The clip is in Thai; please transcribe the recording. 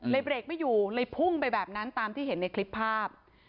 เบรกไม่อยู่เลยพุ่งไปแบบนั้นตามที่เห็นในคลิปภาพ